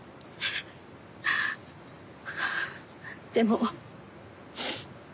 でも。